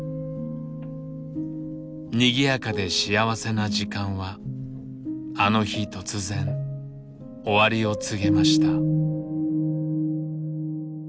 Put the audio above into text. にぎやかで幸せな時間はあの日突然終わりを告げました。